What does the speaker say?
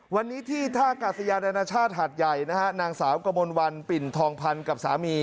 วันนี้ที่ท่ากาศยานานาชาติหัดใหญ่นะฮะนางสาวกระมวลวันปิ่นทองพันธ์กับสามี